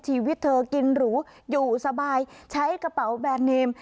ชีวิตเธอกินหรูอยู่สบายใช้กระเป๋าแบรนดเนม